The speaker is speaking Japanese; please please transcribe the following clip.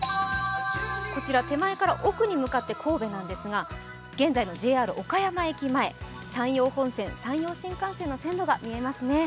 こちら、手前から奥に向かって神戸なんですが、現在のＪＲ岡山駅前、山陽本線、山陽新幹線の線路が見えますね。